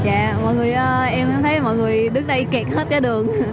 em thấy mọi người đứng đây kẹt hết cả đường